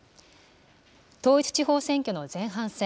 統一地方選挙の前半戦。